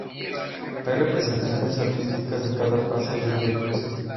Hay representaciones artísticas de cada paso del viacrucis.